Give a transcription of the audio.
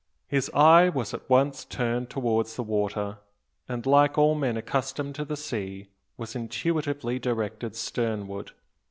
His eye was at once turned towards the water; and, like all men accustomed to the sea, was intuitively directed sternward.